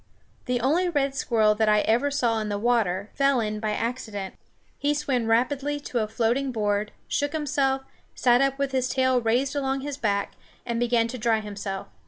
The only red squirrel that I ever saw in the water fell in by accident. He swam rapidly to a floating board, shook himself, sat up with his tail raised along his back, and began to dry himself.